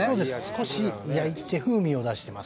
少し焼いて風味を出してます。